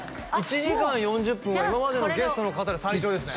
１時間４０分は今までのゲストの方で最長ですね